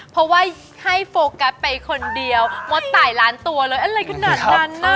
เพราะว่าให้โฟกัสไปคนเดียวมดตายล้านตัวเลยอะไรขนาดนั้นน่ะ